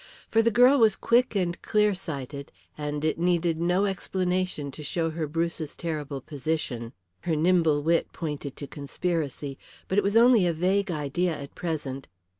For the girl was quick and clear sighted, and it needed no explanation to show her Bruce's terrible position. Her nimble wit pointed to conspiracy. But it was only a vague idea at present.